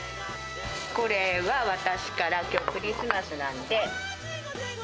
これは私から、きょう、クリスマスなんで。